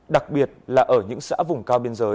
đặc biệt là ở những xã vùng cao biên giới